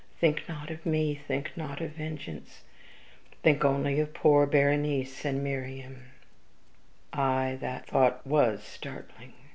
think not of me think not of vengeance think only of poor Berenice and Mariamne.' Aye, that thought WAS startling.